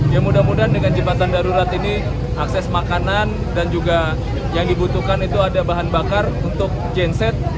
ya mudah mudahan dengan jembatan darurat ini akses makanan dan juga yang dibutuhkan itu ada bahan bakar untuk genset